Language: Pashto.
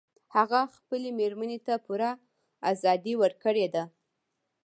هغه خپلې میرمن ته پوره ازادي ورکړي ده